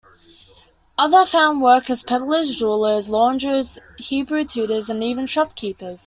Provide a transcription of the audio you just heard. Others found work as peddlers, jewelers, launderers, Hebrew tutors and even shopkeepers.